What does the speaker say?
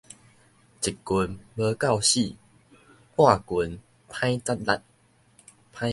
一拳無夠死，半拳歹節力